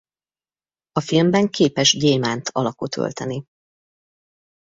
A filmben képes gyémánt alakot ölteni.